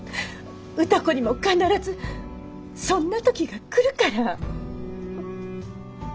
歌子にも必ずそんな時が来るから。